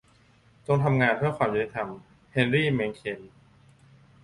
จงทำงานเพื่อความยุติธรรม - เฮนรี เมงเคน